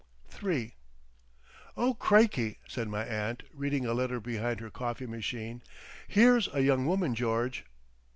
III "Oh, Crikey!" said my aunt, reading a letter behind her coffee machine. "Here's a young woman, George!"